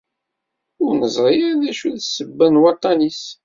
Ur nezṛi ara d acu i d ssebba n waṭṭan-is.